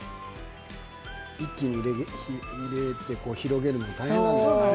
一気に入れて広げるの大変なんですよね。